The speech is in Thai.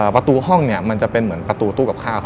ประตูห้องเนี่ยมันจะเป็นเหมือนประตูตู้กับข้าว